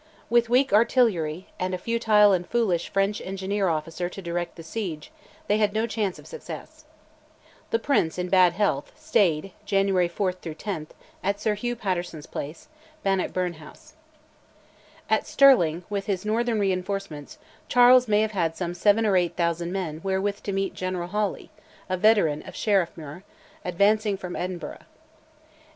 With weak artillery, and a futile and foolish French engineer officer to direct the siege, they had no chance of success. The Prince, in bad health, stayed (January 4 10) at Sir Hugh Paterson's place, Bannockburn House. At Stirling, with his northern reinforcements, Charles may have had some seven or eight thousand men wherewith to meet General Hawley (a veteran of Sheriffmuir) advancing from Edinburgh.